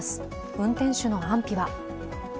運転手の安否は？